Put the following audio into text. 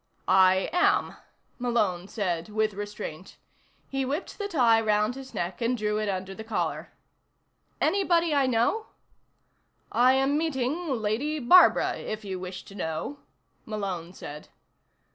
"I am," Malone said with restraint. He whipped the tie round his neck and drew it under the collar. "Anybody I know?" "I am meeting Lady Barbara, if you wish to know," Malone said.